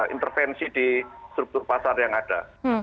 intervensi di struktur pasar yang ada